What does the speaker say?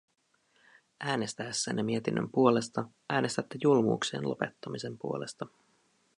Äänestäessänne mietinnön puolesta äänestätte julmuuksien lopettamisen puolesta.